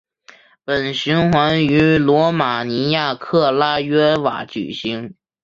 本循环于罗马尼亚克拉约瓦举行。